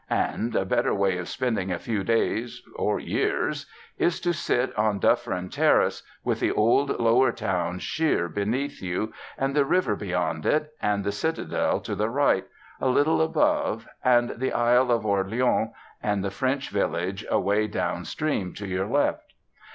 And a better way of spending a few days, or years, is to sit on Dufferin Terrace, with the old Lower Town sheer beneath you, and the river beyond it, and the citadel to the right, a little above, and the Isle of Orleans and the French villages away down stream to your left.